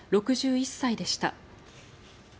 ６１歳でした。